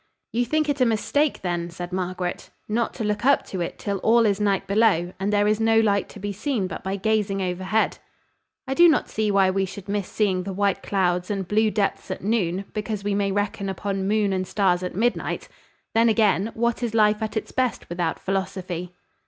"You think it a mistake, then," said Margaret, "not to look up to it till all is night below, and there is no light to be seen but by gazing overhead?" "I do not see why we should miss seeing the white clouds and blue depths at noon because we may reckon upon moon and stars at midnight. Then again, what is life at its best without philosophy?"